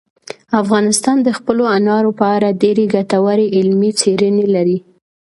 افغانستان د خپلو انارو په اړه ډېرې ګټورې علمي څېړنې لري.